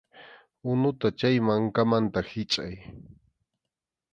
Unuta chay mankamanta hichʼay.